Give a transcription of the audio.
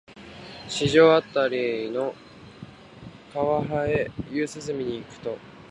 四条あたりの河原へ夕涼みに行くと、